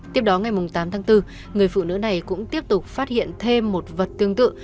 tiếp đó ngày tám tháng bốn người phụ nữ này cũng tiếp tục phát hiện thêm một vật tương tự